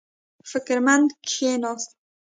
فکر مند کېناست.